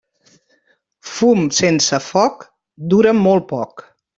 Fum sense foc dura molt poc.